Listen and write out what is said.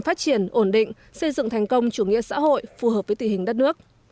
phát triển ổn định xây dựng thành công chủ nghĩa xã hội phù hợp với tỷ hình đất nước